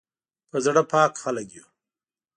په زړه پاک خلک یو